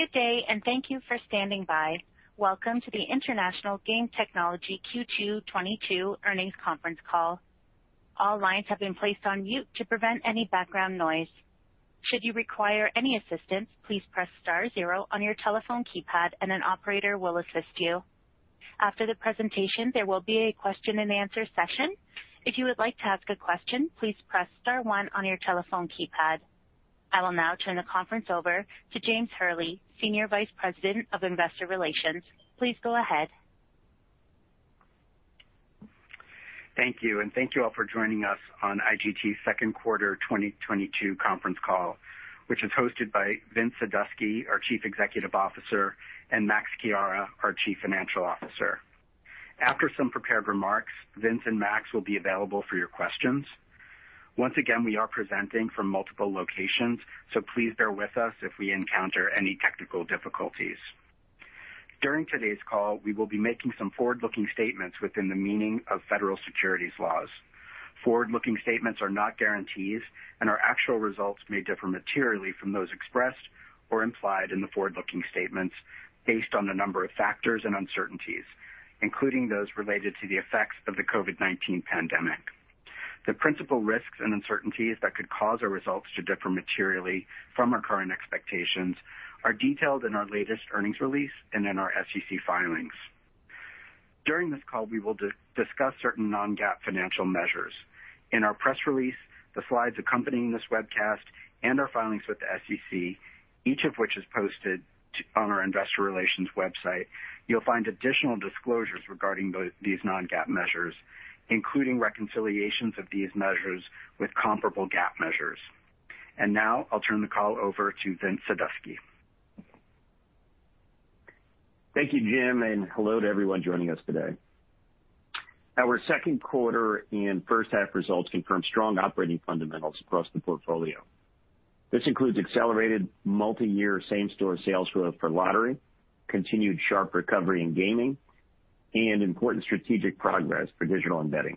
Good day, and thank you for standing by. Welcome to the International Game Technology Q2 2022 earnings conference call. All lines have been placed on mute to prevent any background noise. Should you require any assistance, please press star zero on your telephone keypad and an operator will assist you. After the presentation, there will be a question-and-answer session. If you would like to ask a question, please press star one on your telephone keypad. I will now turn the conference over to James Hurley, Senior Vice President of Investor Relations. Please go ahead. Thank you, and thank you all for joining us on IGT's second quarter 2022 conference call, which is hosted by Vince Sadusky, our Chief Executive Officer, and Max Chiara, our Chief Financial Officer. After some prepared remarks, Vince and Max will be available for your questions. Once again, we are presenting from multiple locations, so please bear with us if we encounter any technical difficulties. During today's call, we will be making some forward-looking statements within the meaning of federal securities laws. Forward-looking statements are not guarantees, and our actual results may differ materially from those expressed or implied in the forward-looking statements based on a number of factors and uncertainties, including those related to the effects of the COVID-19 pandemic. The principal risks and uncertainties that could cause our results to differ materially from our current expectations are detailed in our latest earnings release and in our SEC filings. During this call, we will discuss certain non-GAAP financial measures. In our press release, the slides accompanying this webcast, and our filings with the SEC, each of which is posted to our investor relations website, you'll find additional disclosures regarding these non-GAAP measures, including reconciliations of these measures with comparable GAAP measures. Now, I'll turn the call over to Vince Sadusky. Thank you, Jim, and hello to everyone joining us today. Our second quarter and first half results confirm strong operating fundamentals across the portfolio. This includes accelerated multiyear same-store sales growth for lottery, continued sharp recovery in gaming, and important strategic progress for digital and betting.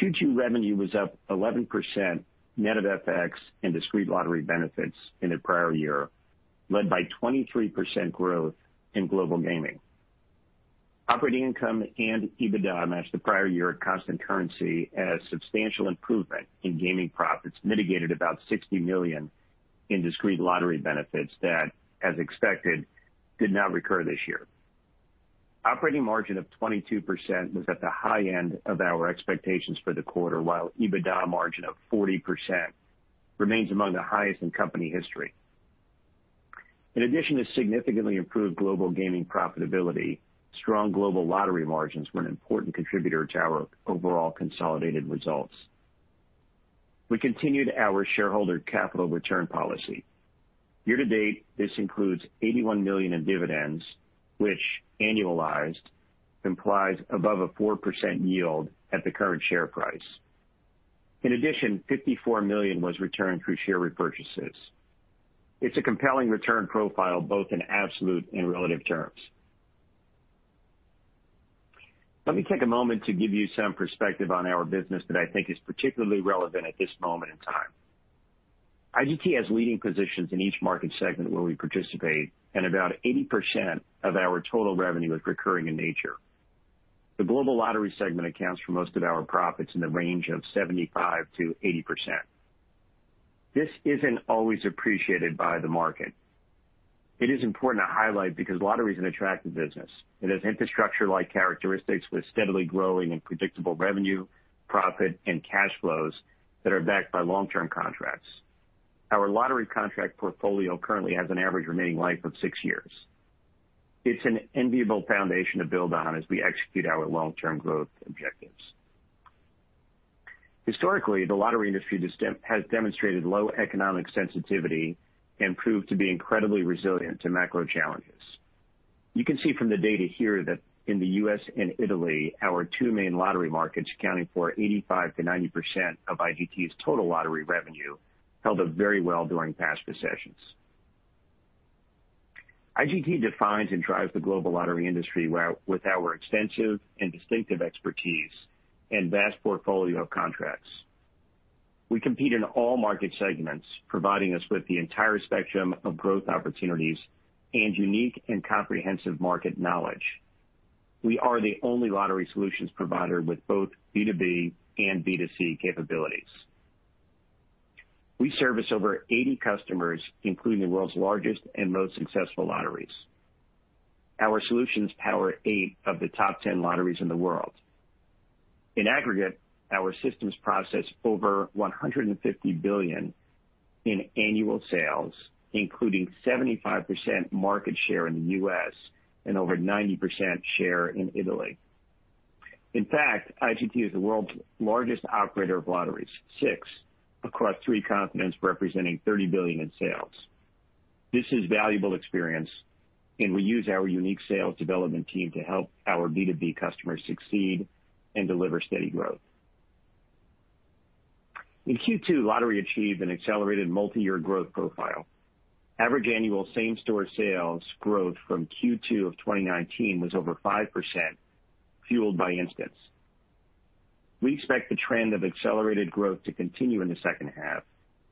Q2 revenue was up 11% net of FX and discrete lottery benefits in the prior year, led by 23% growth in global gaming. Operating income and EBITDA matched the prior year at constant currency as substantial improvement in gaming profits mitigated about $60 million in discrete lottery benefits that, as expected, did not recur this year. Operating margin of 22% was at the high end of our expectations for the quarter, while EBITDA margin of 40% remains among the highest in company history. In addition to significantly improved global gaming profitability, strong global lottery margins were an important contributor to our overall consolidated results. We continued our shareholder capital return policy. Year to date, this includes $81 million in dividends, which, annualized, implies above a 4% yield at the current share price. In addition, $54 million was returned through share repurchases. It's a compelling return profile both in absolute and relative terms. Let me take a moment to give you some perspective on our business that I think is particularly relevant at this moment in time. IGT has leading positions in each market segment where we participate, and about 80% of our total revenue is recurring in nature. The global lottery segment accounts for most of our profits in the range of 75%-80%. This isn't always appreciated by the market. It is important to highlight because lottery is an attractive business. It has infrastructure-like characteristics with steadily growing and predictable revenue, profit, and cash flows that are backed by long-term contracts. Our lottery contract portfolio currently has an average remaining life of six years. It's an enviable foundation to build on as we execute our long-term growth objectives. Historically, the lottery industry has demonstrated low economic sensitivity and proved to be incredibly resilient to macro challenges. You can see from the data here that in the U.S. and Italy, our two main lottery markets accounting for 85%-90% of IGT's total lottery revenue, held up very well during past recessions. IGT defines and drives the global lottery industry with our extensive and distinctive expertise and vast portfolio of contracts. We compete in all market segments, providing us with the entire spectrum of growth opportunities and unique and comprehensive market knowledge. We are the only lottery solutions provider with both B2B and B2C capabilities. We service over 80 customers, including the world's largest and most successful lotteries. Our solutions power eight of the top 10 lotteries in the world. In aggregate, our systems process over $150 billion in annual sales, including 75% market share in the U.S. and over 90% share in Italy. In fact, IGT is the world's largest operator of lotteries, six across three continents, representing $30 billion in sales. This is valuable experience, and we use our unique sales development team to help our B2B customers succeed and deliver steady growth. In Q2, lottery achieved an accelerated multiyear growth profile. Average annual same-store sales growth from Q2 of 2019 was over 5%, fueled by Instants. We expect the trend of accelerated growth to continue in the second half,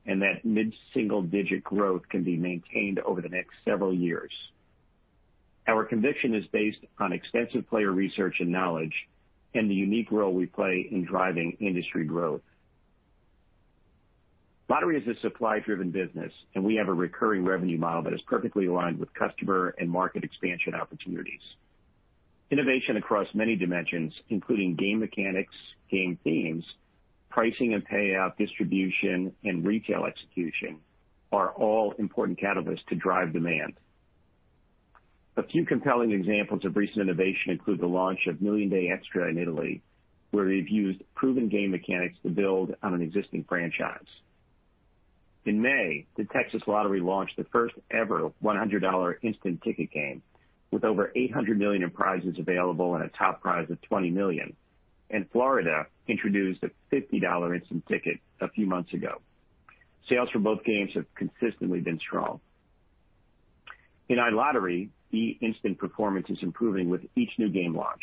and that mid-single-digit growth can be maintained over the next several years. Our conviction is based on extensive player research and knowledge and the unique role we play in driving industry growth. Lottery is a supply-driven business, and we have a recurring revenue model that is perfectly aligned with customer and market expansion opportunities. Innovation across many dimensions, including game mechanics, game themes, pricing and payout distribution, and retail execution, are all important catalysts to drive demand. A few compelling examples of recent innovation include the launch of MillionDay Extra in Italy, where we've used proven game mechanics to build on an existing franchise. In May, the Texas Lottery launched the first-ever $100 instant ticket game with over $800 million in prizes available and a top prize of $20 million. Florida introduced a $50 instant ticket a few months ago. Sales for both games have consistently been strong. In iLottery, the instant performance is improving with each new game launch.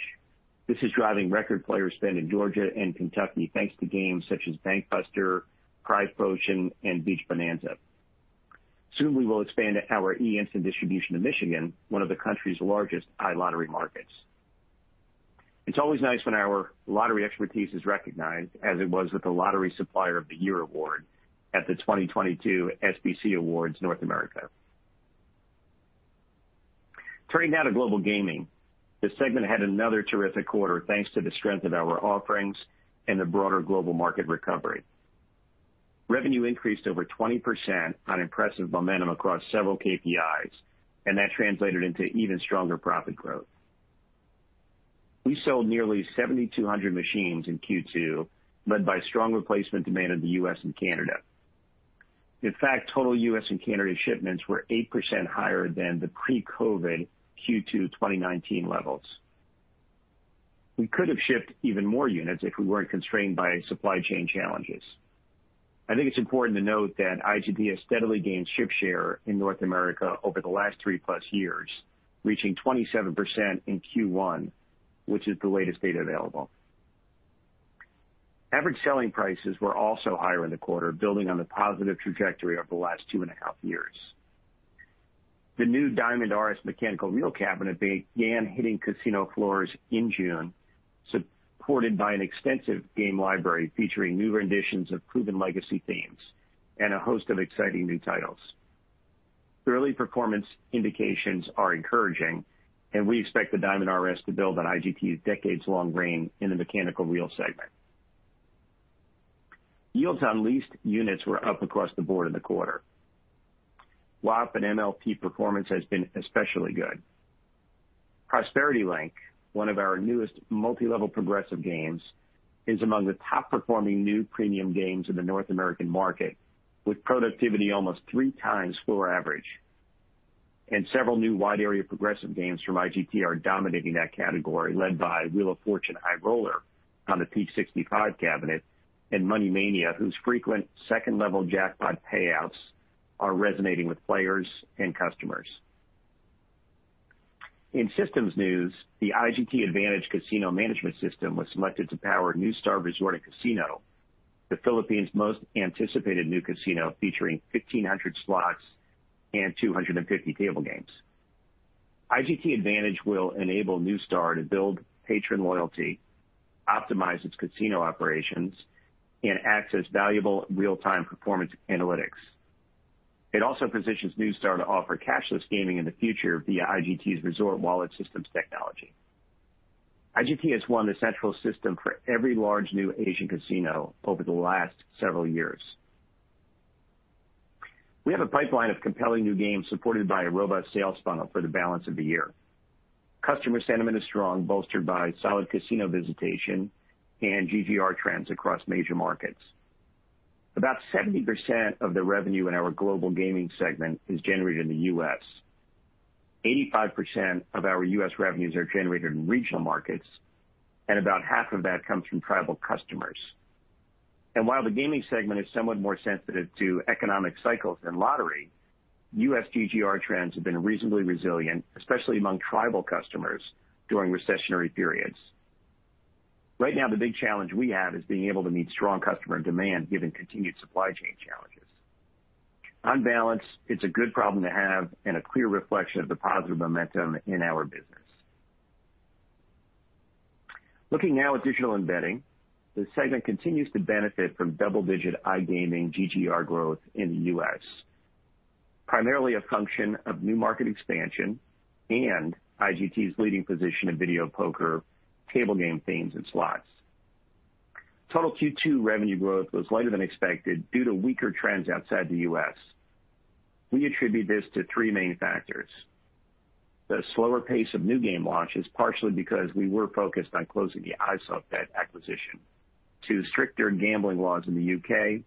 This is driving record player spend in Georgia and Kentucky, thanks to games such as Bank Buster, Prize Potion, and Beach Bonanza. Soon, we will expand our iInstant distribution to Michigan, one of the country's largest iLottery markets. It's always nice when our lottery expertise is recognized, as it was with the Lottery Supplier of the Year award at the 2022 SBC Awards North America. Turning now to global gaming. This segment had another terrific quarter, thanks to the strength of our offerings and the broader global market recovery. Revenue increased over 20% on impressive momentum across several KPIs, and that translated into even stronger profit growth. We sold nearly 7,200 machines in Q2, led by strong replacement demand in the US and Canada. In fact, total US and Canada shipments were 8% higher than the pre-COVID Q2 2019 levels. We could have shipped even more units if we weren't constrained by supply chain challenges. I think it's important to note that IGT has steadily gained ship share in North America over the last 3+ years, reaching 27% in Q1, which is the latest data available. Average selling prices were also higher in the quarter, building on the positive trajectory over the last 2.5 years. The new DiamondRS mechanical reel cabinet began hitting casino floors in June, supported by an extensive game library featuring new renditions of proven legacy themes and a host of exciting new titles. The early performance indications are encouraging, and we expect the DiamondRS to build on IGT's decades-long reign in the mechanical reel segment. Yields on leased units were up across the board in the quarter. WAP and MLP performance has been especially good. Prosperity Link, one of our newest multi-level progressive games, is among the top-performing new premium games in the North American market, with productivity almost three times floor average. Several new wide area progressive games from IGT are dominating that category, led by Wheel of Fortune High Roller on the Peak65 cabinet, and Money Mania, whose frequent second-level jackpot payouts are resonating with players and customers. In systems news, the IGT Advantage Casino Management System was selected to power NUSTAR Resort and Casino, the Philippines' most anticipated new casino, featuring 1,500 slots and 250 table games. IGT Advantage will enable NUSTAR to build patron loyalty, optimize its casino operations, and access valuable real-time performance analytics. It also positions NUSTAR to offer cashless gaming in the future via IGT's Resort Wallet technology. IGT has won the central system for every large new Asian casino over the last several years. We have a pipeline of compelling new games supported by a robust sales funnel for the balance of the year. Customer sentiment is strong, bolstered by solid casino visitation and GGR trends across major markets. About 70% of the revenue in our global gaming segment is generated in the U.S. 85% of our US revenues are generated in regional markets, and about half of that comes from tribal customers. While the gaming segment is somewhat more sensitive to economic cycles than lottery, US GGR trends have been reasonably resilient, especially among tribal customers, during recessionary periods. Right now, the big challenge we have is being able to meet strong customer demand given continued supply chain challenges. On balance, it's a good problem to have and a clear reflection of the positive momentum in our business. Looking now at digital gaming, the segment continues to benefit from double-digit iGaming GGR growth in the US, primarily a function of new market expansion and IGT's leading position in video poker, table game themes, and slots. Total Q2 revenue growth was lighter than expected due to weaker trends outside the US. We attribute this to three main factors, the slower pace of new game launches, partially because we were focused on closing the iSoftBet acquisition to stricter gambling laws in the UK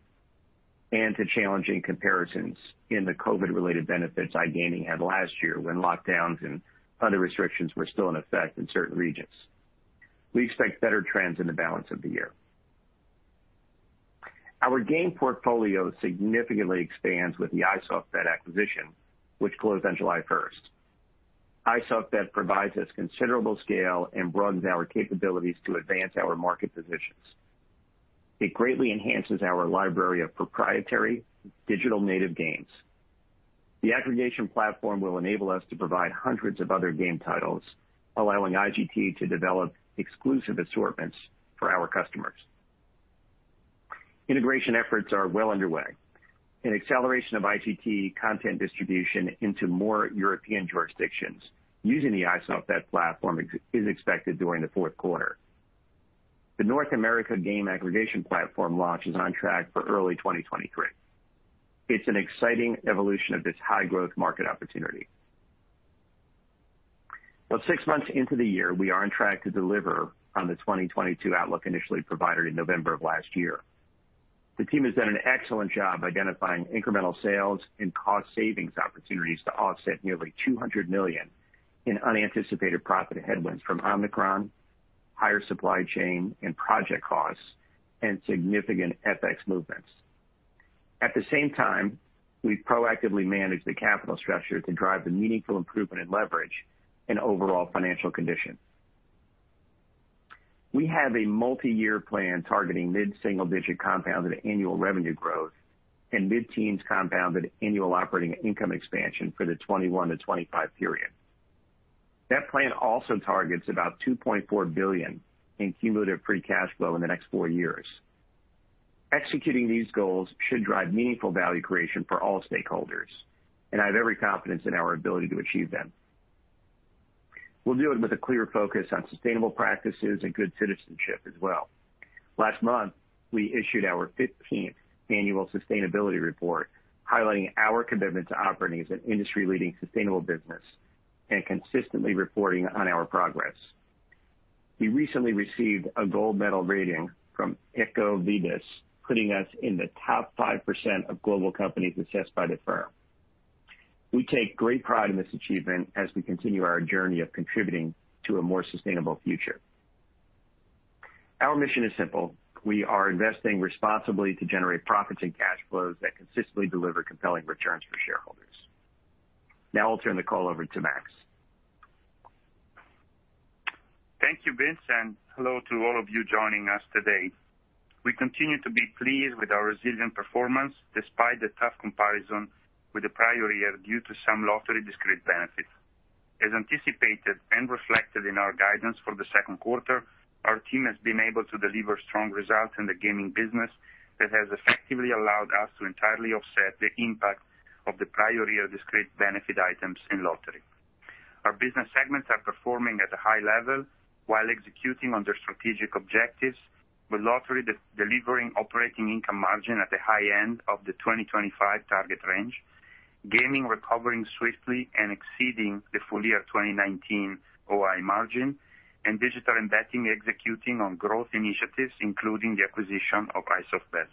and to challenging comparisons in the COVID-related benefits iGaming had last year when lockdowns and other restrictions were still in effect in certain regions. We expect better trends in the balance of the year. Our game portfolio significantly expands with the iSoftBet acquisition, which closed on July 1. iSoftBet provides us considerable scale and broadens our capabilities to advance our market positions. It greatly enhances our library of proprietary digital native games. The aggregation platform will enable us to provide hundreds of other game titles, allowing IGT to develop exclusive assortments for our customers. Integration efforts are well underway. An acceleration of IGT content distribution into more European jurisdictions using the iSoftBet platform is expected during the fourth quarter. The North America game aggregation platform launch is on track for early 2023. It's an exciting evolution of this high-growth market opportunity. Well, six months into the year, we are on track to deliver on the 2022 outlook initially provided in November of last year. The team has done an excellent job identifying incremental sales and cost savings opportunities to offset nearly $200 million in unanticipated profit headwinds from Omicron, higher supply chain and project costs, and significant FX movements. At the same time, we've proactively managed the capital structure to drive the meaningful improvement in leverage and overall financial condition. We have a multi-year plan targeting mid-single digit compounded annual revenue growth and mid-teens compounded annual operating income expansion for the 2021-2025 period. That plan also targets about $2.4 billion in cumulative free cash flow in the next four years. Executing these goals should drive meaningful value creation for all stakeholders, and I have every confidence in our ability to achieve them. We'll do it with a clear focus on sustainable practices and good citizenship as well. Last month, we issued our fifteenth annual sustainability report, highlighting our commitment to operating as an industry-leading sustainable business and consistently reporting on our progress. We recently received a gold medal rating from EcoVadis, putting us in the top 5% of global companies assessed by the firm. We take great pride in this achievement as we continue our journey of contributing to a more sustainable future. Our mission is simple. We are investing responsibly to generate profits and cash flows that consistently deliver compelling returns for shareholders. Now I'll turn the call over to Max. Thank you, Vince, and hello to all of you joining us today. We continue to be pleased with our resilient performance despite the tough comparison with the prior year due to some lottery discrete benefits. As anticipated and reflected in our guidance for the second quarter, our team has been able to deliver strong results in the gaming business that has effectively allowed us to entirely offset the impact of the prior year discrete benefit items in lottery. Our business segments are performing at a high level while executing on their strategic objectives with lottery delivering operating income margin at the high end of the 2025 target range, gaming recovering swiftly and exceeding the full year 2019 OI margin, and digital and betting executing on growth initiatives, including the acquisition of iSoftBet.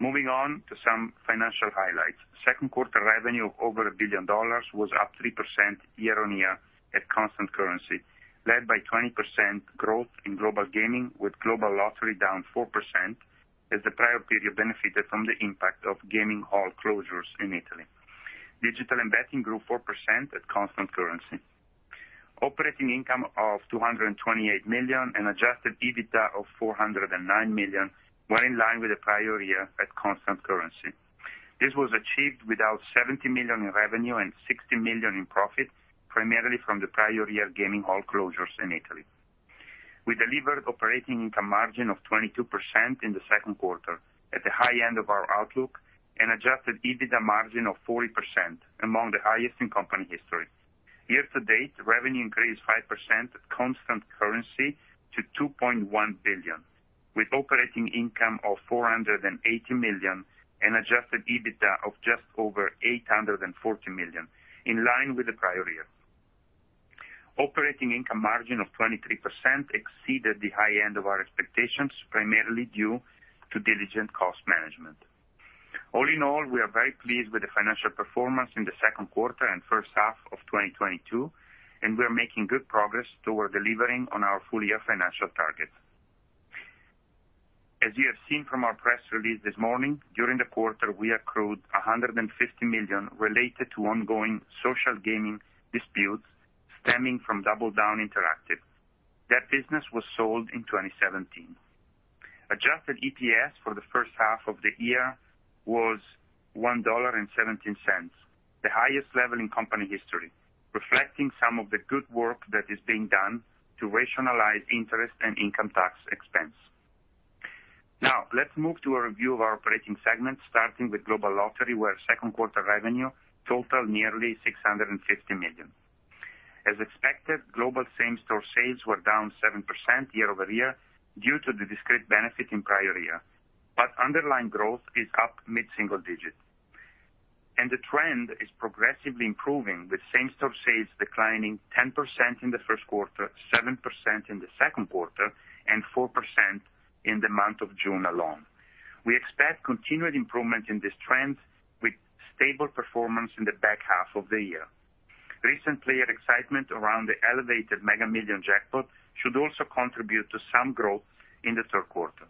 Moving on to some financial highlights. Second quarter revenue of over $1 billion was up 3% year-over-year at constant currency, led by 20% growth in global gaming, with global lottery down 4% as the prior period benefited from the impact of gaming hall closures in Italy. Digital and betting grew 4% at constant currency. Operating income of $228 million and adjusted EBITDA of $409 million were in line with the prior year at constant currency. This was achieved without $70 million in revenue and $60 million in profits, primarily from the prior year gaming hall closures in Italy. We delivered operating income margin of 22% in the second quarter at the high end of our outlook and adjusted EBITDA margin of 40%, among the highest in company history. Year to date, revenue increased 5% at constant currency to $2.1 billion, with operating income of $480 million and adjusted EBITDA of just over $840 million, in line with the prior year. Operating income margin of 23% exceeded the high end of our expectations, primarily due to diligent cost management. All in all, we are very pleased with the financial performance in the second quarter and first half of 2022, and we are making good progress toward delivering on our full-year financial targets. As you have seen from our press release this morning, during the quarter, we accrued $150 million related to ongoing social gaming disputes stemming from DoubleDown Interactive. That business was sold in 2017. Adjusted EPS for the first half of the year was $1.17, the highest level in company history, reflecting some of the good work that is being done to rationalize interest and income tax expense. Now, let's move to a review of our operating segments, starting with global lottery, where second quarter revenue totaled nearly $650 million. As expected, global same-store sales were down 7% year-over-year due to the discrete benefit in prior year, but underlying growth is up mid-single digit. The trend is progressively improving, with same-store sales declining 10% in the first quarter, 7% in the second quarter, and 4% in the month of June alone. We expect continued improvement in this trend with stable performance in the back half of the year. Recent player excitement around the elevated Mega Millions jackpot should also contribute to some growth in the third quarter.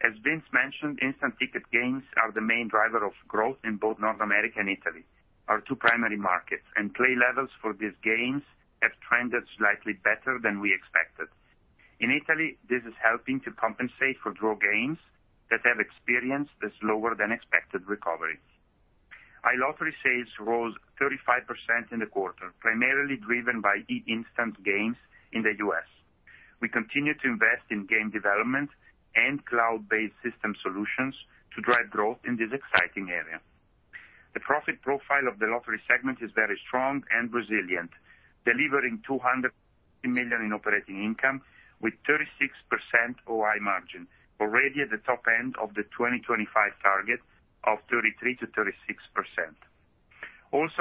As Vince mentioned, instant ticket games are the main driver of growth in both North America and Italy, our two primary markets, and play levels for these games have trended slightly better than we expected. In Italy, this is helping to compensate for draw games that have experienced a slower than expected recovery. iLottery sales rose 35% in the quarter, primarily driven by eInstant games in the US. We continue to invest in game development and cloud-based system solutions to drive growth in this exciting area. The profit profile of the lottery segment is very strong and resilient, delivering $200 million in operating income with 36% OI margin, already at the top end of the 2025 target of 33%-36%.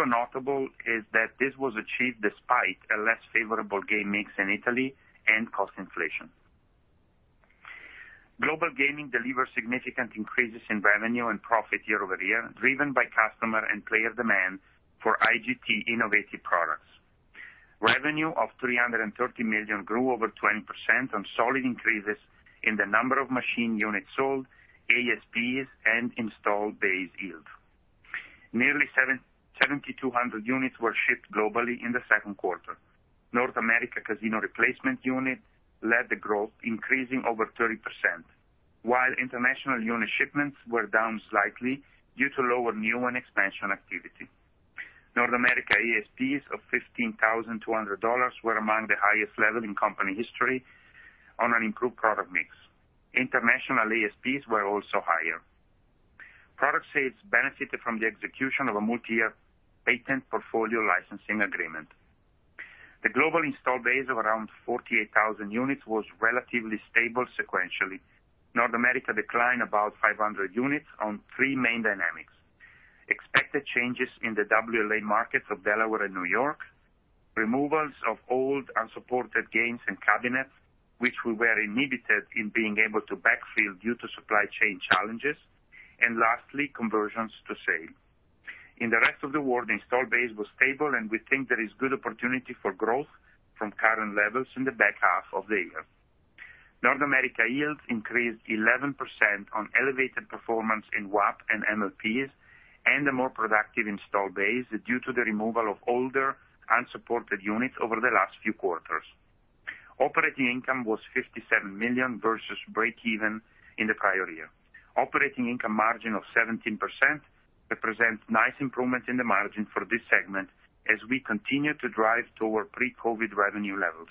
Notable is that this was achieved despite a less favorable game mix in Italy and cost inflation. Global gaming delivered significant increases in revenue and profit year-over-year, driven by customer and player demand for IGT innovative products. Revenue of $330 million grew over 20% on solid increases in the number of machine units sold, ASPs, and installed base yield. Nearly 7,200 units were shipped globally in the second quarter. North America casino replacement units led the growth, increasing over 30%, while international unit shipments were down slightly due to lower new and expansion activity. North America ASPs of $15,200 were among the highest level in company history on an improved product mix. International ASPs were also higher. Product sales benefited from the execution of a multi-year patent portfolio licensing agreement. The global install base of around 48,000 units was relatively stable sequentially. North America declined about 500 units on three main dynamics. Expected changes in the WLA markets of Delaware and New York, removals of old unsupported games and cabinets, which we were inhibited in being able to backfill due to supply chain challenges, and lastly, conversions to sale. In the rest of the world, the install base was stable, and we think there is good opportunity for growth from current levels in the back half of the year. North America yields increased 11% on elevated performance in WAP and MLPs, and a more productive install base due to the removal of older unsupported units over the last few quarters. Operating income was $57 million versus breakeven in the prior year. Operating income margin of 17% represents nice improvement in the margin for this segment as we continue to drive toward pre-COVID revenue levels,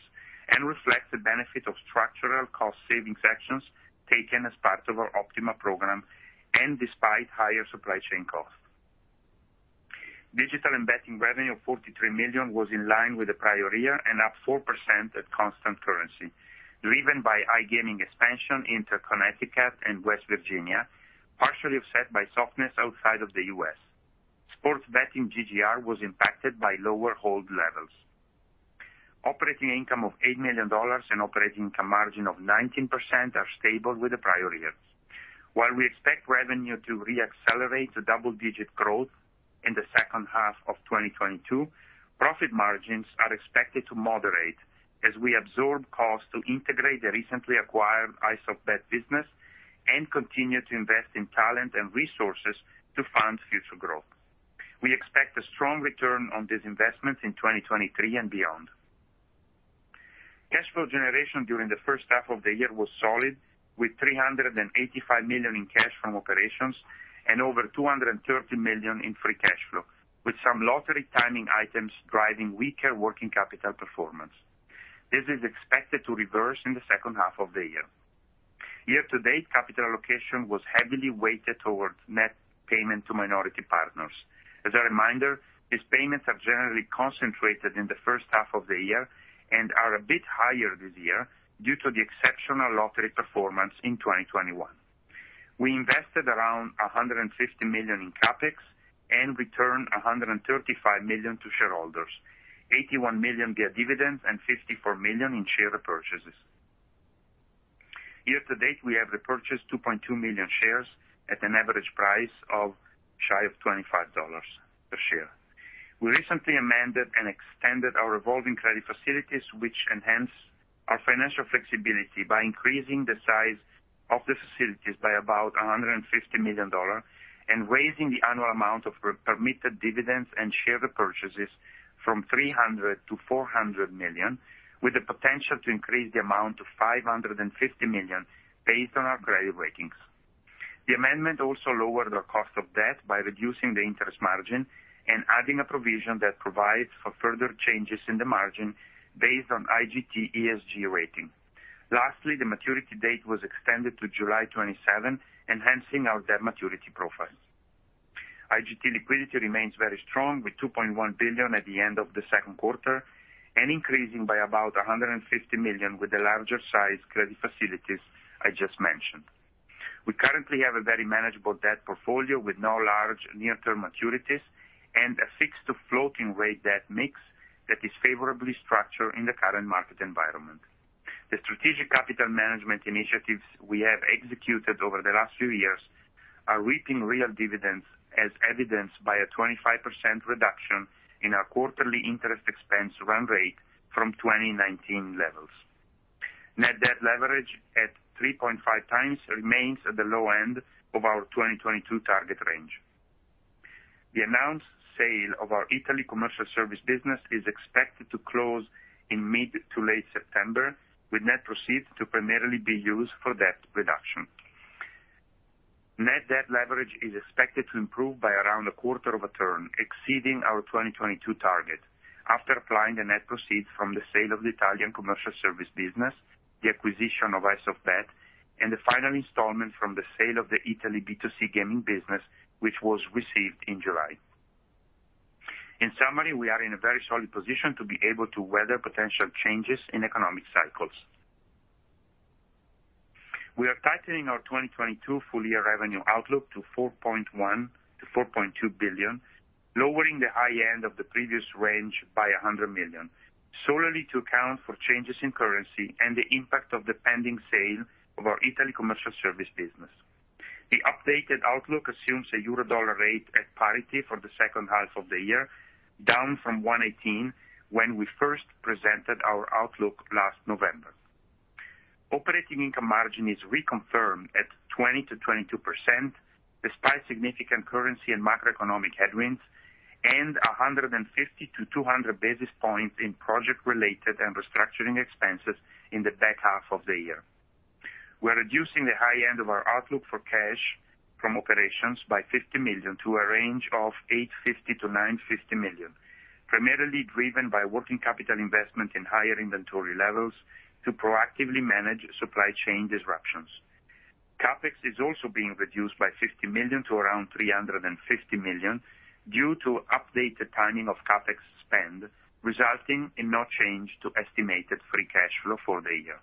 and reflects the benefit of structural cost savings actions taken as part of our OPtiMa program, and despite higher supply chain costs. Digital and betting revenue of $43 million was in line with the prior year and up 4% at constant currency, driven by iGaming expansion into Connecticut and West Virginia, partially offset by softness outside of the U.S. Sports betting GGR was impacted by lower hold levels. Operating income of $8 million and operating income margin of 19% are stable with the prior years. While we expect revenue to re-accelerate to double-digit growth in the second half of 2022, profit margins are expected to moderate as we absorb costs to integrate the recently acquired iSoftBet business and continue to invest in talent and resources to fund future growth. We expect a strong return on this investment in 2023 and beyond. Cash flow generation during the first half of the year was solid, with $385 million in cash from operations and over $230 million in Free Cash Flow, with some lottery timing items driving weaker working capital performance. This is expected to reverse in the second half of the year. Year to date, capital allocation was heavily weighted towards net payment to minority partners. As a reminder, these payments are generally concentrated in the first half of the year and are a bit higher this year due to the exceptional lottery performance in 2021. We invested around $150 million in CapEx and returned $135 million to shareholders, $81 million via dividends and $54 million in share repurchases. Year to date, we have repurchased 2.2 million shares at an average price of shy of $25 per share. We recently amended and extended our revolving credit facilities, which enhance our financial flexibility by increasing the size of the facilities by about $150 million and raising the annual amount of permitted dividends and share repurchases from $300 million-$400 million, with the potential to increase the amount to $550 million based on our credit ratings. The amendment also lowered our cost of debt by reducing the interest margin and adding a provision that provides for further changes in the margin based on IGT ESG rating. Lastly, the maturity date was extended to July 27, enhancing our debt maturity profile. IGT liquidity remains very strong, with $2.1 billion at the end of the second quarter and increasing by about $150 million with the larger size credit facilities I just mentioned. We currently have a very manageable debt portfolio with no large near-term maturities and a fixed to floating rate debt mix that is favorably structured in the current market environment. The strategic capital management initiatives we have executed over the last few years are reaping real dividends as evidenced by a 25% reduction in our quarterly interest expense run rate from 2019 levels. Net debt leverage at 3.5 times remains at the low end of our 2022 target range. The announced sale of our Italian commercial service business is expected to close in mid- to late September, with net proceeds to primarily be used for debt reduction. Net debt leverage is expected to improve by around a quarter of a turn, exceeding our 2022 target after applying the net proceeds from the sale of the Italian commercial service business, the acquisition of iSoftBet and the final installment from the sale of the Italian B2C gaming business, which was received in July. In summary, we are in a very solid position to be able to weather potential changes in economic cycles. We are tightening our 2022 full year revenue outlook to $4.1 billion-$4.2 billion, lowering the high end of the previous range by $100 million, solely to account for changes in currency and the impact of the pending sale of our Italy commercial service business. The updated outlook assumes a Euro dollar rate at parity for the second half of the year, down from 1.18 when we first presented our outlook last November. Operating income margin is reconfirmed at 20%-22% despite significant currency and macroeconomic headwinds and 150-200 basis points in project related and restructuring expenses in the back half of the year. We're reducing the high end of our outlook for cash from operations by $50 million to a range of $850 million-$950 million, primarily driven by working capital investment in higher inventory levels to proactively manage supply chain disruptions. CapEx is also being reduced by $50 million to around $350 million due to updated timing of CapEx spend, resulting in no change to estimated free cash flow for the year.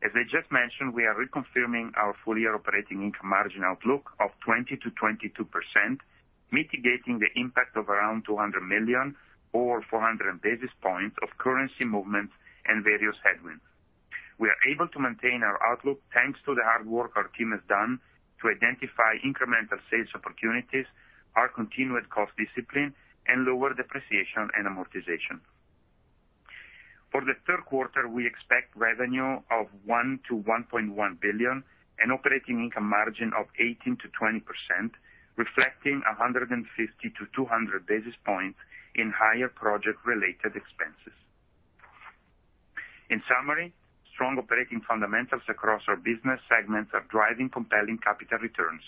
As I just mentioned, we are reconfirming our full-year operating income margin outlook of 20%-22%, mitigating the impact of around $200 million or 400 basis points of currency movements and various headwinds. We are able to maintain our outlook thanks to the hard work our team has done to identify incremental sales opportunities, our continued cost discipline and lower depreciation and amortization. For the third quarter, we expect revenue of $1 billion-$1.1 billion and operating income margin of 18%-20%, reflecting 150 basis points-200 basis points in higher project related expenses. In summary, strong operating fundamentals across our business segments are driving compelling capital returns.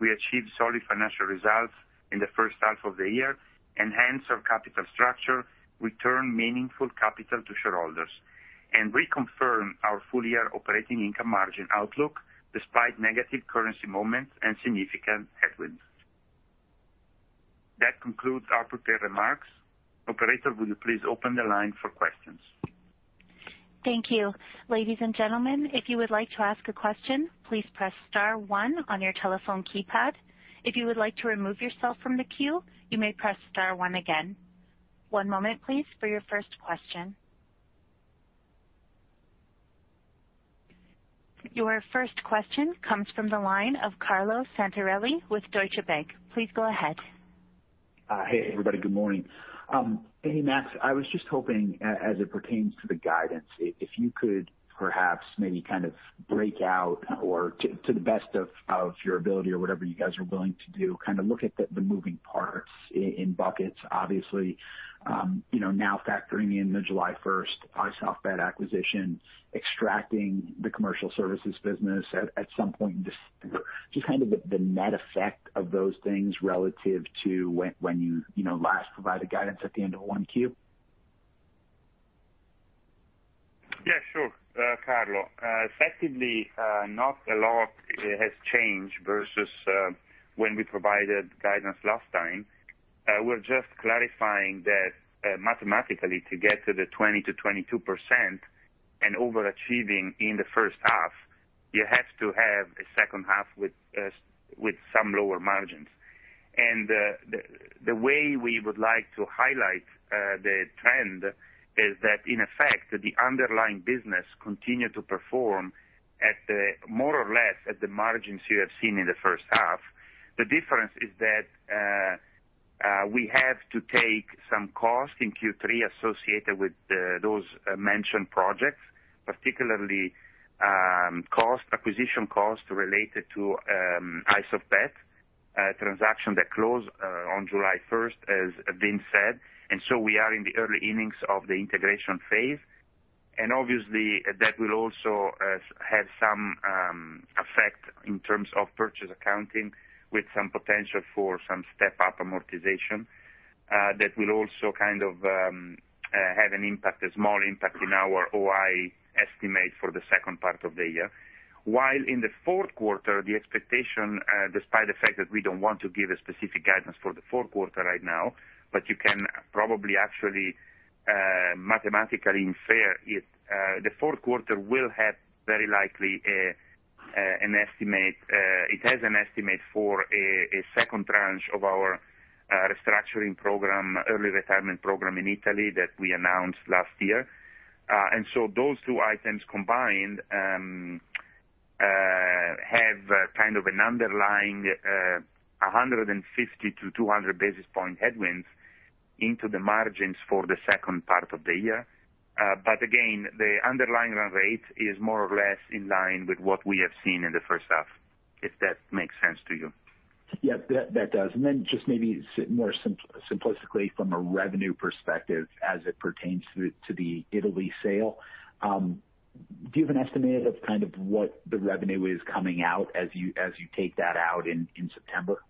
We achieved solid financial results in the first half of the year, enhance our capital structure, return meaningful capital to shareholders, and reconfirm our full year operating income margin outlook despite negative currency movements and significant headwinds. That concludes our prepared remarks. Operator, will you please open the line for questions? Thank you. Ladies and gentlemen, if you would like to ask a question, please press star one on your telephone keypad. If you would like to remove yourself from the queue, you may press star one again. One moment, please, for your first question. Your first question comes from the line of Carlo Santarelli with Deutsche Bank. Please go ahead. Hey everybody. Good morning. Hey, Max, I was just hoping as it pertains to the guidance, if you could perhaps maybe kind of break out or to the best of your ability or whatever you guys are willing to do, kind of look at the moving parts in buckets, obviously, you know, now factoring in the July first iSoftBet acquisition, extracting the commercial services business at some point, just kind of the net effect of those things relative to when you know, last provided guidance at the end of 1Q. Yeah, sure, Carlo. Effectively, not a lot has changed versus when we provided guidance last time. We're just clarifying that, mathematically, to get to the 20%-22% and overachieving in the first half, you have to have a second half with some lower margins. The way we would like to highlight the trend is that in effect, the underlying business continue to perform more or less at the margins you have seen in the first half. The difference is that we have to take some cost in Q3 associated with those mentioned projects, particularly acquisition cost related to iSoftBet transaction that closed on July first, as Vince said. We are in the early innings of the integration phase. Obviously that will also have some effect in terms of purchase accounting with some potential for some step-up amortization. That will also kind of have an impact, a small impact in our OI estimate for the second part of the year. While in the fourth quarter, the expectation, despite the fact that we don't want to give a specific guidance for the fourth quarter right now, but you can probably actually mathematically infer if, the fourth quarter will have very likely a It has an estimate for a second tranche of our restructuring program, early retirement program in Italy that we announced last year. Those two items combined have kind of an underlying 150 basis point-200 basis point headwinds into the margins for the second part of the year. Again, the underlying run rate is more or less in line with what we have seen in the first half, if that makes sense to you. Yeah, that does. Just maybe more simplicity from a revenue perspective as it pertains to the Italy sale. Do you have an estimate of kind of what the revenue is coming out as you take that out in September?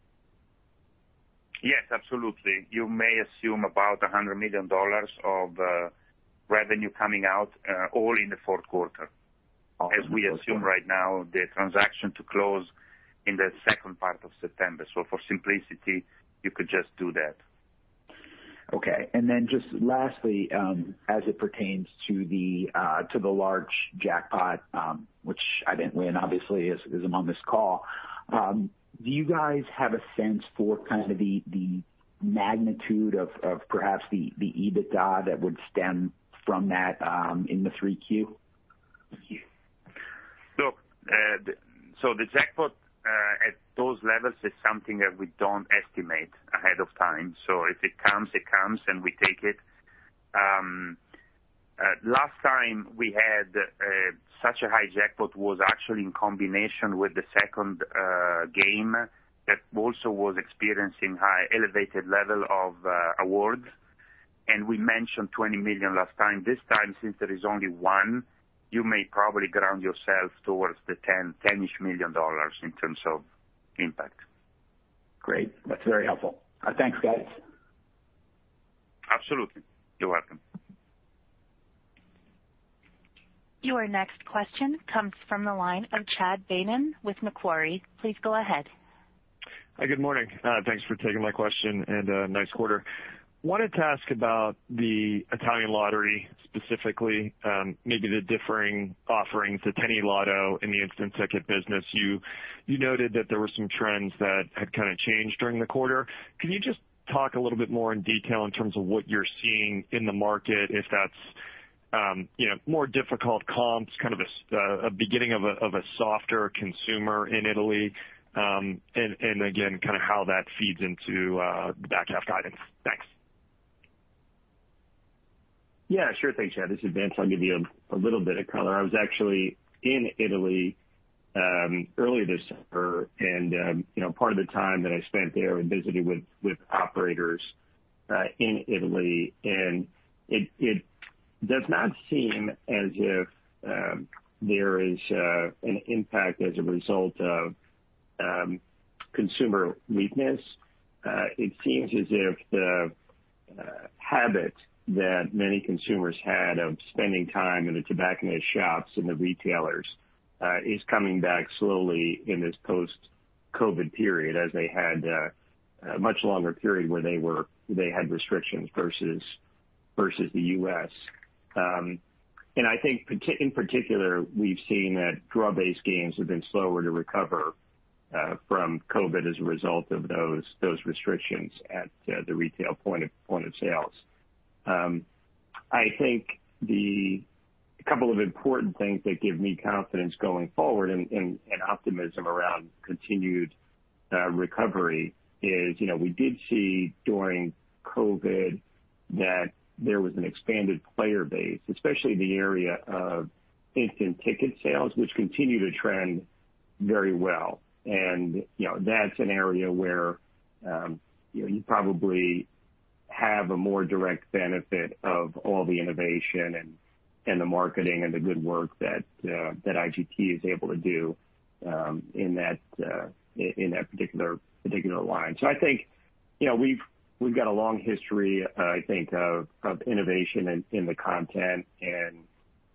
Yes, absolutely. You may assume about $100 million of revenue coming out all in the fourth quarter. All in the fourth quarter. As we assume right now the transaction to close in the second part of September. For simplicity, you could just do that. Just lastly, as it pertains to the large jackpot, which I didn't win, obviously is among this call. Do you guys have a sense for kind of the magnitude of perhaps the EBITDA that would stem from that, in the 3Q? Look, the jackpot at those levels is something that we don't estimate ahead of time. If it comes, it comes and we take it. Last time we had such a high jackpot was actually in combination with the second game that also was experiencing high, elevated level of awards. We mentioned $20 million last time. This time, since there is only one, you may probably ground yourself towards the $10-ish million in terms of impact. Great. That's very helpful. Thanks, guys. Absolutely. You're welcome. Your next question comes from the line of Chad Beynon with Macquarie. Please go ahead. Hi, good morning. Thanks for taking my question and nice quarter. Wanted to ask about the Italian lottery specifically, maybe the differing offerings, the 10eLotto and the instant ticket business. You noted that there were some trends that had kind of changed during the quarter. Can you just talk a little bit more in detail in terms of what you're seeing in the market, if that's you know, more difficult comps, kind of a beginning of a softer consumer in Italy? And again, kind of how that feeds into the back half guidance. Thanks. Yeah, sure thing, Chad. This is Vince. I'll give you a little bit of color. I was actually in Italy earlier this summer and you know part of the time that I spent there was visiting with operators in Italy and it does not seem as if there is an impact as a result of consumer weakness. It seems as if the habit that many consumers had of spending time in the tobacconist shops and the retailers is coming back slowly in this post-COVID period as they had a much longer period where they had restrictions versus the U.S. In particular, we've seen that draw-based games have been slower to recover from COVID as a result of those restrictions at the retail point of sales. I think a couple of important things that give me confidence going forward and optimism around continued recovery is, you know, we did see during COVID that there was an expanded player base, especially in the area of instant ticket sales, which continue to trend very well. You know, that's an area where you probably have a more direct benefit of all the innovation and the marketing and the good work that IGT is able to do in that particular line. I think, you know, we've got a long history, I think of innovation in the content and,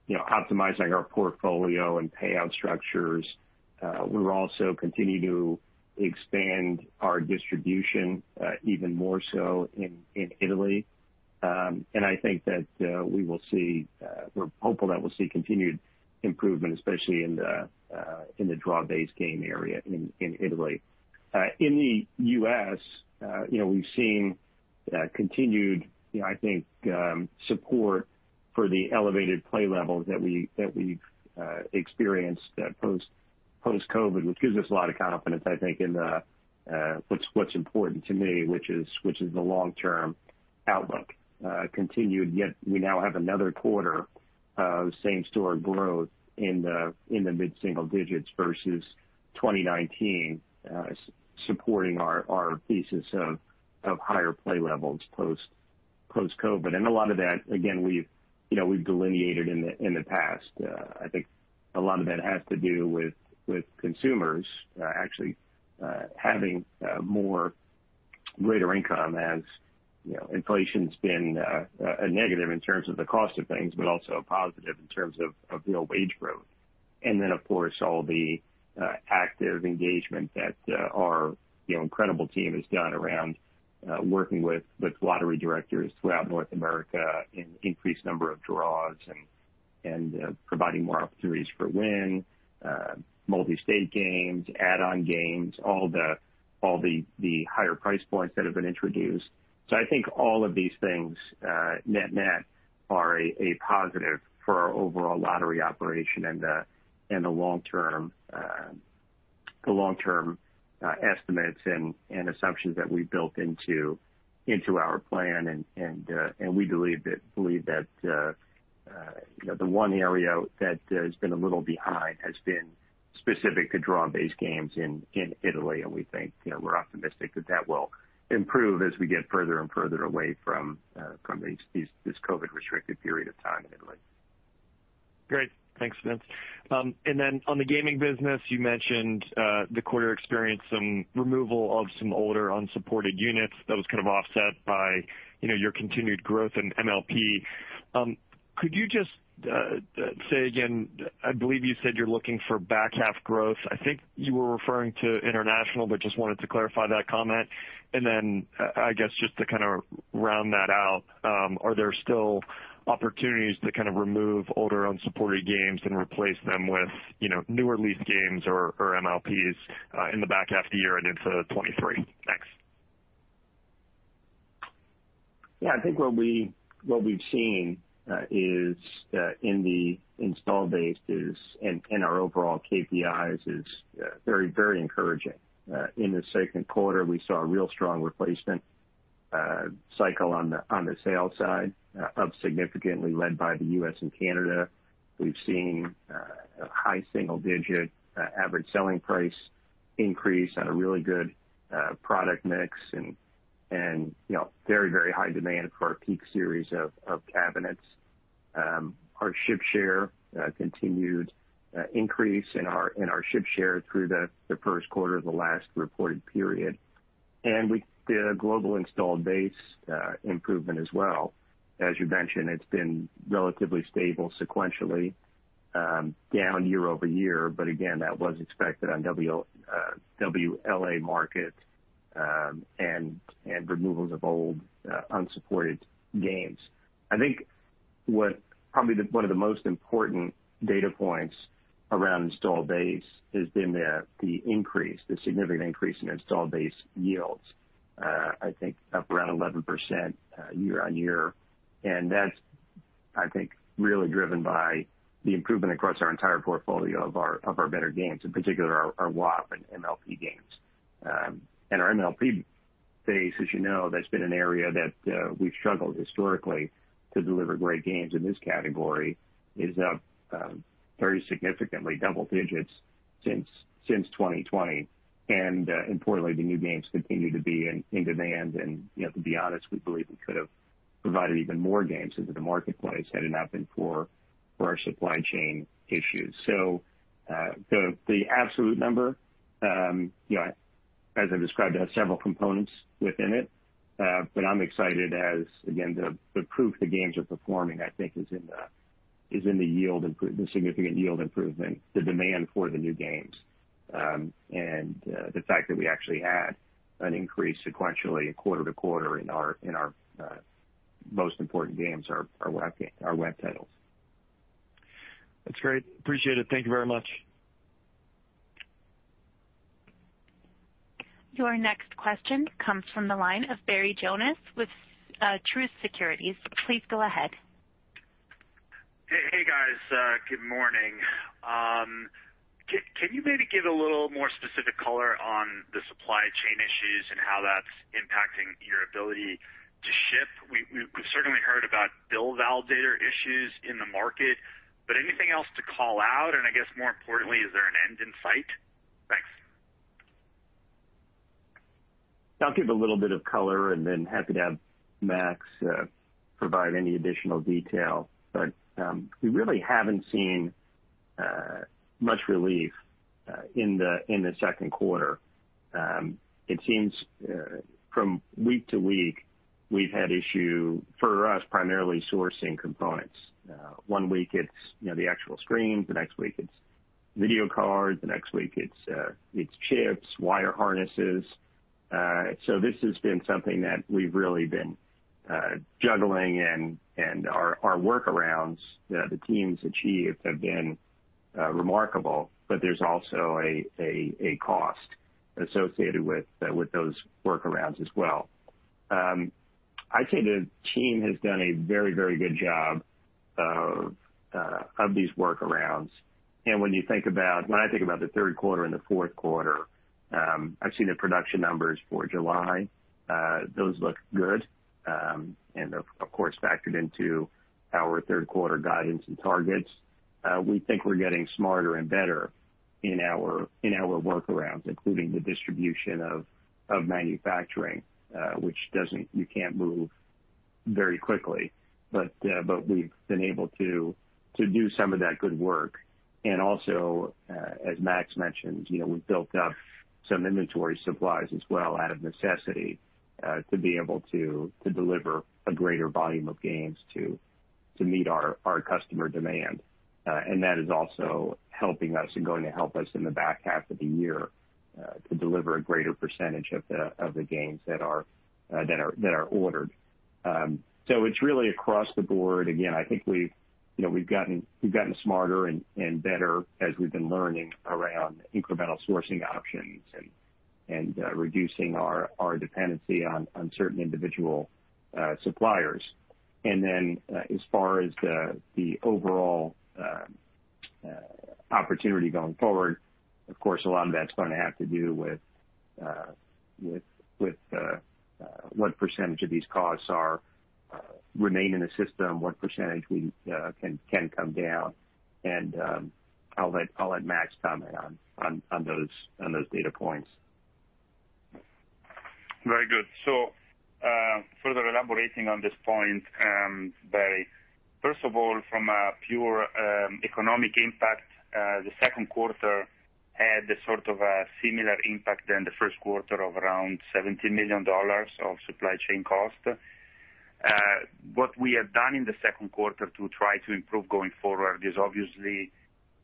you know, optimizing our portfolio and payout structures. We'll also continue to expand our distribution, even more so in Italy. I think that. We're hopeful that we'll see continued improvement, especially in the draw-based game area in Italy. In the U.S., you know, we've seen continued, you know, I think, support for the elevated play levels that we've experienced post-COVID, which gives us a lot of confidence, I think, in what's important to me, which is the long-term outlook. Yet we now have another quarter of same-store growth in the mid-single digits versus 2019, supporting our thesis of higher play levels post-COVID. A lot of that, again, we've, you know, delineated in the past. I think a lot of that has to do with consumers actually having more greater income as, you know, inflation's been a negative in terms of the cost of things, but also a positive in terms of, you know, wage growth. Of course, all the active engagement that our you know incredible team has done around working with lottery directors throughout North America in increased number of draws and providing more opportunities for win multi-state games, add-on games, all the higher price points that have been introduced. I think all of these things net-net are a positive for our overall lottery operation and the long-term estimates and assumptions that we built into our plan and we believe that you know the one area that has been a little behind has been specific to draw-based games in Italy. We think, you know, we're optimistic that that will improve as we get further and further away from this COVID-19 restricted period of time in Italy. Great. Thanks, Vince. On the gaming business, you mentioned the quarter experienced some removal of some older unsupported units that was kind of offset by, you know, your continued growth in MLP. Could you just say again, I believe you said you're looking for back half growth. I think you were referring to international, but just wanted to clarify that comment. I guess just to kind of round that out, are there still opportunities to kind of remove older unsupported games and replace them with, you know, newer leased games or MLPs in the back half of the year and into 2023? Thanks. Yeah. I think what we've seen in the install base and in our overall KPIs is very, very encouraging. In the second quarter, we saw a real strong replacement cycle on the sales side up significantly led by the U.S. and Canada. We've seen a high single digit average selling price increase on a really good product mix and, you know, very, very high demand for our PeakSlant series of cabinets. Our ship share continued increase in our ship share through the first quarter of the last reported period. We did a global installed base improvement as well. As you mentioned, it's been relatively stable sequentially, down year-over-year, but again, that was expected on WLA market, and removals of old, unsupported games. I think what probably the one of the most important data points around install base has been the significant increase in install base yields, I think up around 11%, year-over-year. That's, I think, really driven by the improvement across our entire portfolio of our better games, in particular our WAP and MLP games. Our MLP base, as you know, that's been an area that we've struggled historically to deliver great games in this category is up very significantly double digits since 2020. Importantly, the new games continue to be in demand and, you know, to be honest, we believe we could have provided even more games into the marketplace had it not been for our supply chain issues. The absolute number, you know, as I described, has several components within it. I'm excited as, again, the proof the games are performing, I think, is in the significant yield improvement, the demand for the new games. The fact that we actually had an increase sequentially quarter to quarter in our most important games, our web games, our web titles. That's great. Appreciate it. Thank you very much. Your next question comes from the line of Barry Jonas with Truist Securities. Please go ahead. Hey, guys, good morning. Can you maybe give a little more specific color on the supply chain issues and how that's impacting your ability to ship? We've certainly heard about bill validator issues in the market, but anything else to call out, and I guess more importantly, is there an end in sight? Thanks. I'll give a little bit of color and then happy to have Max provide any additional detail. We really haven't seen much relief in the second quarter. It seems from week to week, we've had issue for us primarily sourcing components. One week it's, you know, the actual screens, the next week it's video cards, the next week it's chips, wire harnesses. So this has been something that we've really been juggling and our workarounds that the teams have achieved have been remarkable, but there's also a cost associated with those workarounds as well. I'd say the team has done a very, very good job of these workarounds. When you think about... When I think about the third quarter and the fourth quarter, I've seen the production numbers for July. Those look good. They're of course factored into our third quarter guidance and targets. We think we're getting smarter and better in our workarounds, including the distribution of manufacturing, which you can't move very quickly. We've been able to do some of that good work. As Max mentioned, you know, we've built up some inventory supplies as well out of necessity to be able to deliver a greater volume of games to meet our customer demand. That is also helping us and going to help us in the back half of the year to deliver a greater percentage of the games that are ordered. It's really across the board. Again, I think, you know, we've gotten smarter and reducing our dependency on certain individual suppliers. As far as the overall opportunity going forward, of course, a lot of that's gonna have to do with what percentage of these costs remain in the system, what percentage we can come down. I'll let Max comment on those data points. Very good. Further elaborating on this point, Barry, first of all, from a pure economic impact, the second quarter had the sort of similar impact than the first quarter of around $70 million of supply chain cost. What we have done in the second quarter to try to improve going forward is obviously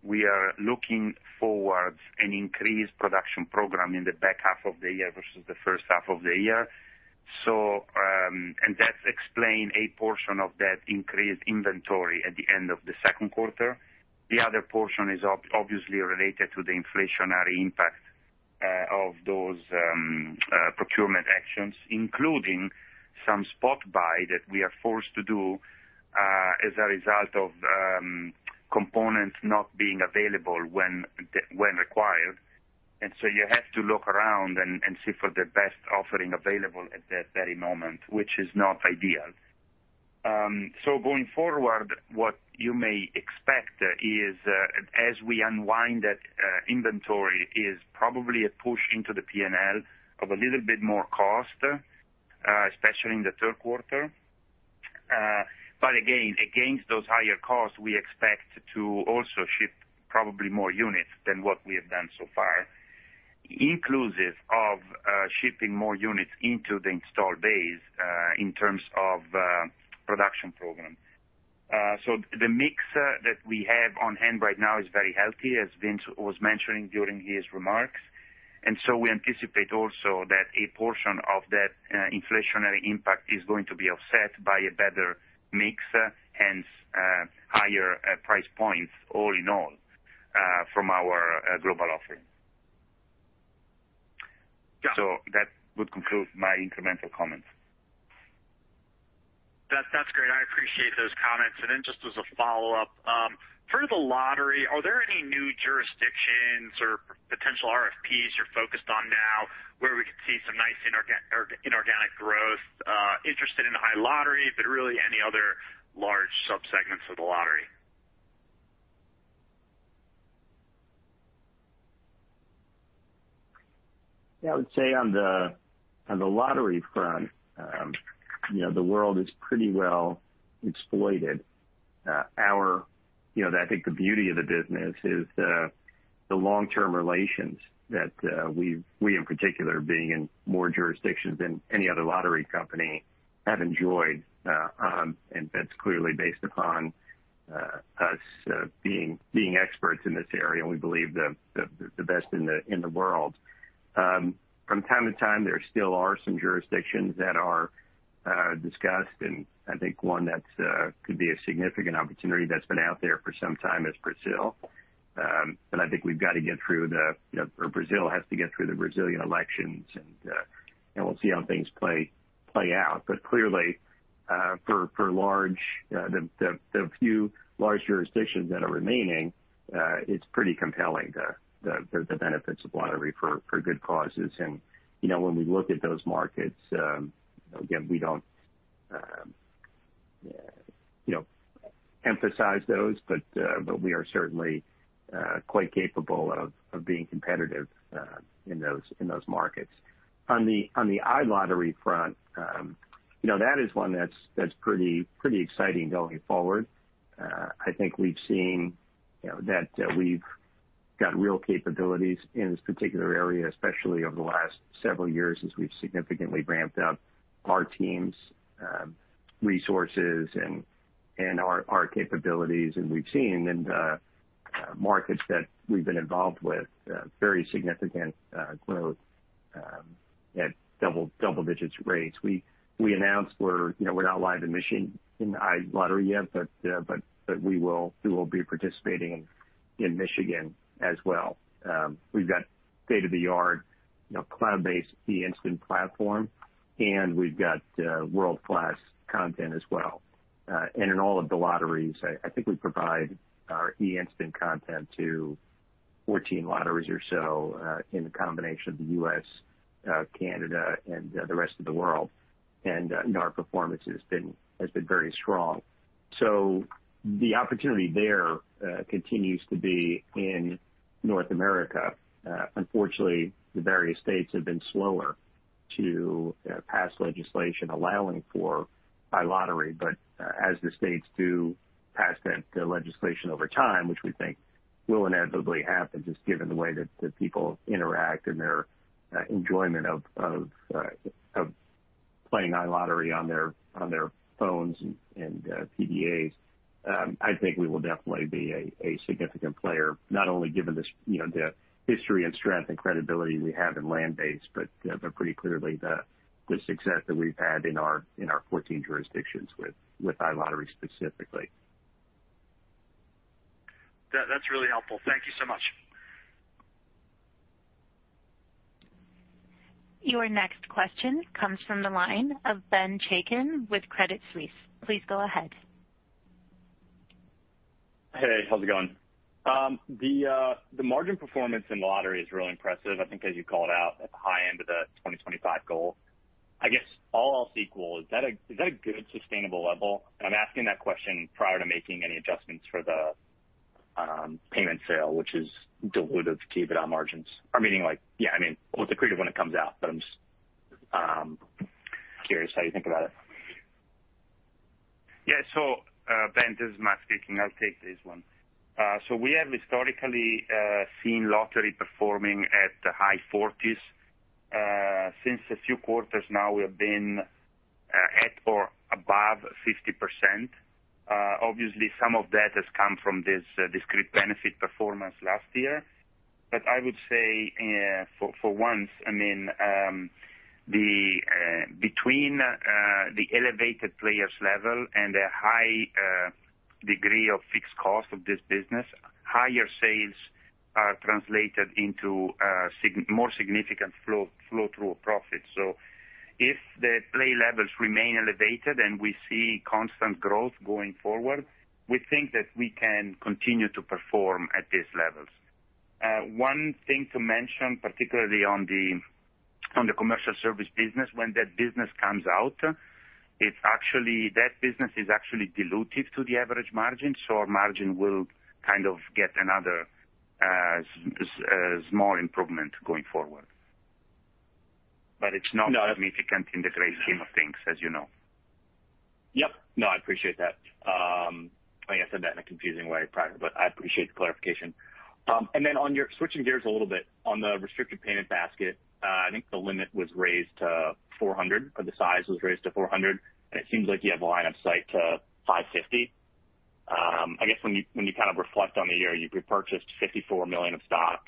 we are looking towards an increased production program in the back half of the year versus the first half of the year. That explain a portion of that increased inventory at the end of the second quarter. The other portion is obviously related to the inflationary impact of those procurement actions, including some spot buy that we are forced to do as a result of components not being available when required. You have to look around and see for the best offering available at that very moment, which is not ideal. Going forward, what you may expect is, as we unwind that inventory, is probably a push into the P&L of a little bit more cost, especially in the third quarter. Again, against those higher costs, we expect to also ship probably more units than what we have done so far, inclusive of shipping more units into the installed base, in terms of production program. The mix that we have on hand right now is very healthy, as Vince was mentioning during his remarks. We anticipate also that a portion of that, inflationary impact is going to be offset by a better mix, hence, higher, price points all in all, from our, global offering. Yeah. That would conclude my incremental comments. That's great. I appreciate those comments. Just as a follow-up, for the lottery, are there any new jurisdictions or potential RFPs you're focused on now where we could see some nice inorganic growth, interested in the iLottery, but really any other large subsegments of the lottery? Yeah. I would say on the lottery front, you know, the world is pretty well exploited. You know, I think the beauty of the business is the long-term relations that we in particular being in more jurisdictions than any other lottery company have enjoyed, and that's clearly based upon us being experts in this area, and we believe the best in the world. From time to time, there still are some jurisdictions that are discussed, and I think one that could be a significant opportunity that's been out there for some time is Brazil. But I think we've got to get through, you know, or Brazil has to get through the Brazilian elections, and we'll see how things play out. Clearly, for the few large jurisdictions that are remaining, it's pretty compelling, the benefits of lottery for good causes. You know, when we look at those markets, again, we don't, you know, emphasize those, but we are certainly quite capable of being competitive in those markets. On the iLottery front, you know, that is one that's pretty exciting going forward. I think we've seen, you know, that we've got real capabilities in this particular area, especially over the last several years as we've significantly ramped up our teams' resources and our capabilities. We've seen in the markets that we've been involved with very significant growth at double digits rates. We announced we're not live in Michigan iLottery yet, but we will be participating in Michigan as well. We've got state-of-the-art, you know, cloud-based iInstant platform, and we've got world-class content as well. In all of the lotteries, I think we provide our iInstant content to 14 lotteries or so, in the combination of the U.S., Canada, and the rest of the world. Our performance has been very strong. The opportunity there continues to be in North America. Unfortunately, the various states have been slower to pass legislation allowing for iLottery. As the states do pass that legislation over time, which we think will inevitably happen, just given the way that people interact and their enjoyment of playing iLottery on their phones and PDAs. I think we will definitely be a significant player, not only given this, you know, the history and strength and credibility we have in land-based, but pretty clearly the success that we've had in our 14 jurisdictions with iLottery specifically. That's really helpful. Thank you so much. Your next question comes from the line of Ben Chaiken with Credit Suisse. Please go ahead. Hey, how's it going? The margin performance in lottery is really impressive. I think as you called out at the high end of the 2025 goal. I guess all else equal, is that a good sustainable level? I'm asking that question prior to making any adjustments for the payment sale, which is dilutive to EBITDA margins. Meaning like, yeah, I mean, we'll disclose it when it comes out, but I'm just curious how you think about it. Yeah. Ben, this is Max speaking. I'll take this one. We have historically seen lottery performing at the high 40s%. Since a few quarters now we have been at or above 50%. Obviously some of that has come from this discrete benefit performance last year. I would say, for once, I mean, between the elevated play levels and the high degree of fixed cost of this business, higher sales are translated into more significant flow-through profit. If the play levels remain elevated and we see constant growth going forward, we think that we can continue to perform at these levels. One thing to mention, particularly on the commercial service business, when that business comes out, it's actually. That business is actually dilutive to the average margin, so our margin will kind of get another small improvement going forward. But it's not. No, that. Significant in the great scheme of things, as you know. Yep. No, I appreciate that. I guess I said that in a confusing way prior, but I appreciate the clarification. Switching gears a little bit, on the restricted payment basket, I think the limit was raised to 400, or the size was raised to 400, and it seems like you have line of sight to 550. I guess when you kind of reflect on the year, you've repurchased $54 million of stock.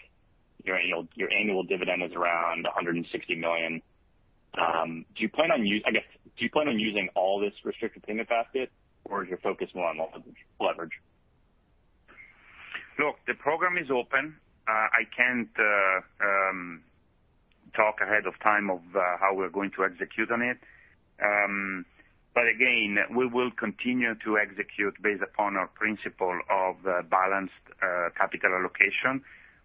Your annual dividend is around $160 million. Do you plan on using all this restricted payment basket or is your focus more on leverage? Look, the program is open. I can't talk ahead of time of how we're going to execute on it. Again, we will continue to execute based upon our principle of balanced capital allocation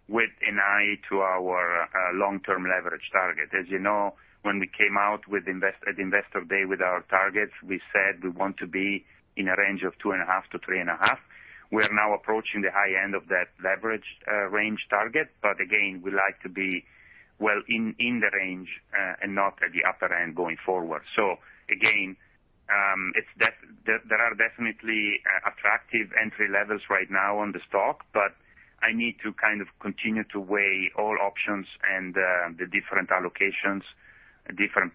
with an eye to our long-term leverage target. As you know, when we came out with Investor Day with our targets, we said we want to be in a range of 2.5-3.5. We are now approaching the high end of that leverage range target. Again, we like to be well in the range and not at the upper end going forward. Again, there are definitely attractive entry levels right now on the stock, but I need to kind of continue to weigh all options and the different allocations, different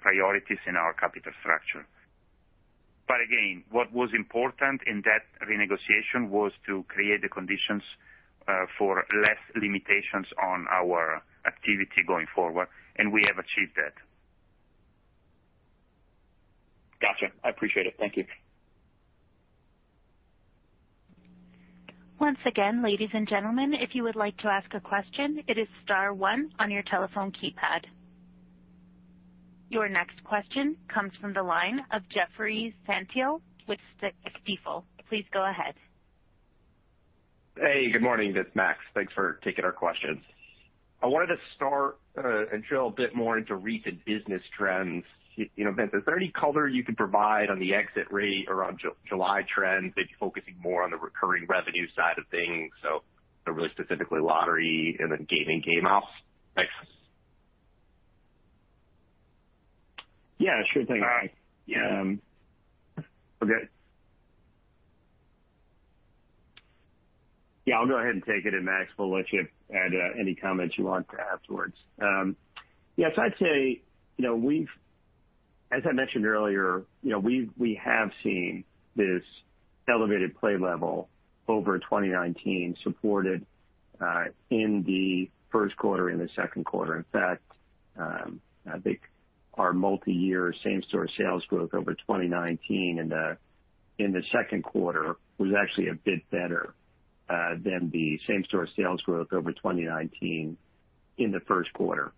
priorities in our capital structure. Again, what was important in that renegotiation was to create the conditions for less limitations on our activity going forward, and we have achieved that. Gotcha. I appreciate it. Thank you. Once again, ladies and gentlemen, if you would like to ask a question, it is star one on your telephone keypad. Your next question comes from the line of Jeffrey Stantial with Stifel. Please go ahead. Hey, good morning, this is Max. Thanks for taking our questions. I wanted to start and drill a bit more into recent business trends. You know, Vince, is there any color you can provide on the exit rate or on July trends, maybe focusing more on the recurring revenue side of things, so really specifically lottery and then gaming GameOps? Thanks. Yeah. Sure thing. All right. Okay. Yeah, I'll go ahead and take it, and Max we'll let you add any comments you want to afterwards. Yes, I'd say, you know, as I mentioned earlier, you know, we have seen this elevated play level over 2019 supported in the first quarter and the second quarter. In fact, I think our multiyear same store sales growth over 2019 in the second quarter was actually a bit better than the same store sales growth over 2019 in the first quarter.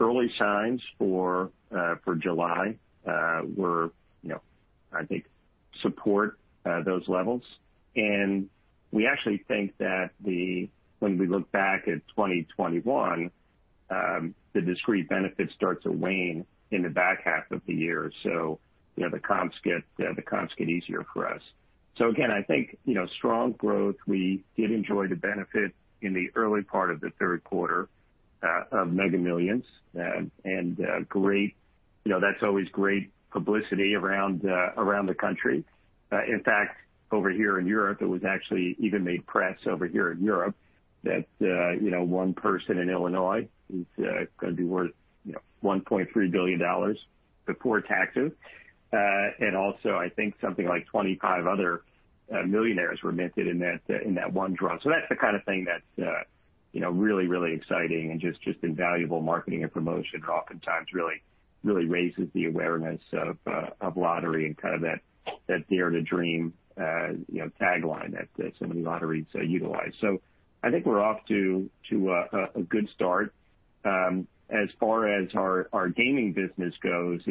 Early signs for July were, you know, I think support those levels. We actually think that when we look back at 2021, the discrete benefit starts to wane in the back half of the year. You know, the comps get easier for us. Again, I think, you know, strong growth, we did enjoy the benefit in the early part of the third quarter of Mega Millions and great. You know, that's always great publicity around the country. In fact, over here in Europe, it was actually even made press over here in Europe that, you know, one person in Illinois is gonna be worth, you know, $1.3 billion before taxes. Also, I think something like 25 other millionaires were minted in that one draw. That's the kind of thing that, you know, really exciting and just invaluable marketing and promotion, oftentimes really raises the awareness of lottery and kind of that Dare to Dream, you know, tagline that so many lotteries utilize. I think we're off to a good start. As far as our gaming business goes,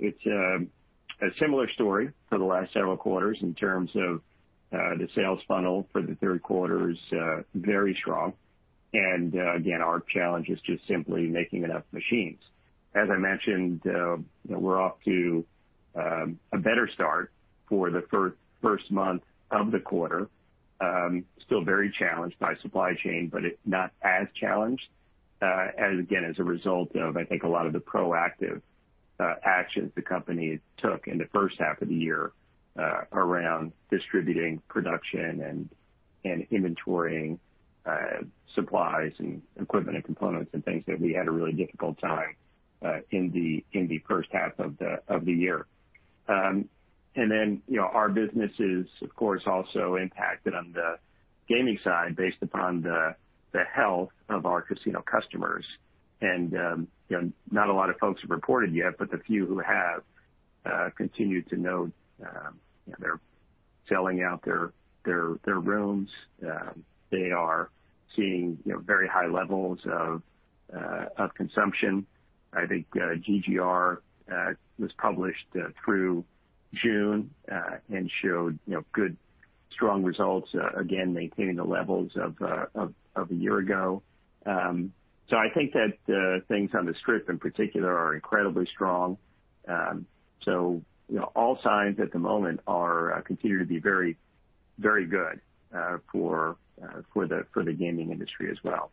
it's a similar story for the last several quarters in terms of the sales funnel for the third quarter is very strong. Again, our challenge is just simply making enough machines. As I mentioned, you know, we're off to a better start for the first month of the quarter. Still very challenged by supply chain, but it's not as challenged as again, as a result of, I think, a lot of the proactive actions the company took in the first half of the year around distributing production and inventorying supplies and equipment and components and things that we had a really difficult time in the first half of the year. You know, our business is, of course, also impacted on the gaming side based upon the health of our casino customers. You know, not a lot of folks have reported yet, but the few who have continued to note, you know, they're selling out their rooms. They are seeing, you know, very high levels of consumption. I think GGR was published through June and showed, you know, good, strong results again, maintaining the levels of a year ago. I think that things on the Strip in particular are incredibly strong. You know, all signs at the moment are continue to be very, very good for the gaming industry as well.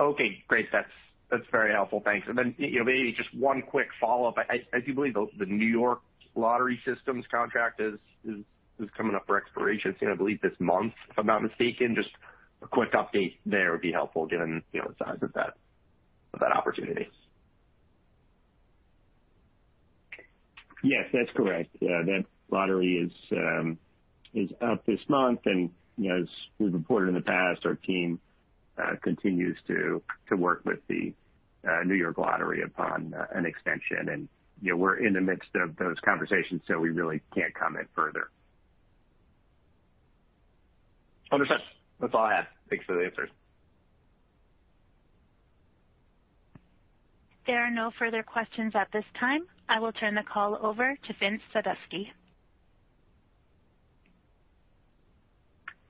Okay, great. That's very helpful. Thanks. Then, you know, maybe just one quick follow-up. I do believe the New York Lottery Systems contract is coming up for expiration soon, I believe this month, if I'm not mistaken. Just a quick update there would be helpful given, you know, the size of that opportunity. Yes, that's correct. That lottery is up this month. You know, as we've reported in the past, our team continues to work with the New York Lottery upon an extension. You know, we're in the midst of those conversations, so we really can't comment further. Understood. That's all I have. Thanks for the answers. There are no further questions at this time. I will turn the call over to Vince Sadusky.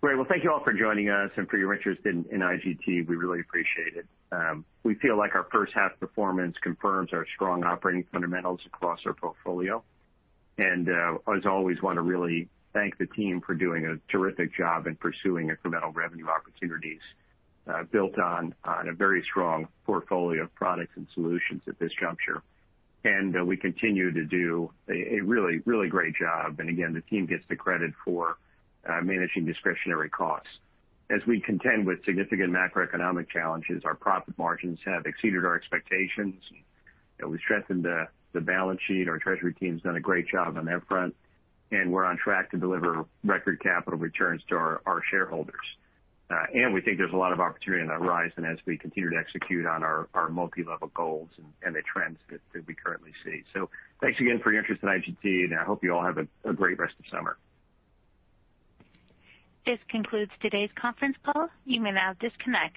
Great. Well, thank you all for joining us and for your interest in IGT. We really appreciate it. We feel like our first half performance confirms our strong operating fundamentals across our portfolio. As always, wanna really thank the team for doing a terrific job in pursuing incremental revenue opportunities built on a very strong portfolio of products and solutions at this juncture. We continue to do a really great job. Again, the team gets the credit for managing discretionary costs. As we contend with significant macroeconomic challenges, our profit margins have exceeded our expectations. You know, we strengthened the balance sheet. Our treasury team's done a great job on that front. We're on track to deliver record capital returns to our shareholders. We think there's a lot of opportunity on the horizon as we continue to execute on our multi-level goals and the trends that we currently see. Thanks again for your interest in IGT, and I hope you all have a great rest of summer. This concludes today's conference call. You may now disconnect.